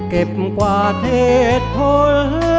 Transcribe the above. เก็บกว่าเทศทล